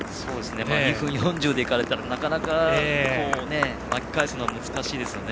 ２分４０で行かれたらなかなか巻き返すのは難しいですよね。